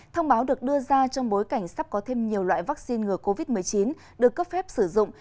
thông báo được đưa ra trong bối cảnh sắp có thêm nhiều loại vaccine ngừa covid một mươi chín được cấp phép sử dụng